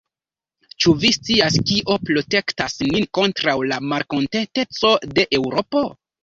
Ĉu vi scias, kio protektas nin kontraŭ la malkontenteco de Eŭropo?